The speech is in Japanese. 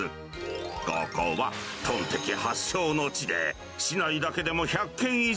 ここはトンテキ発祥の地で、市内だけでも１００軒以上。